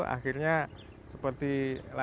akhirnya seperti lainnya